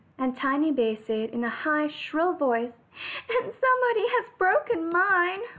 And Tiny bear said in a high, shrill voice: "And somebody has broken mine."